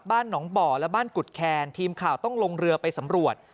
บ้านหนองบ่อและบ้านกุฎแคนทีมข่าวต้องลงเรือไปสำรวจ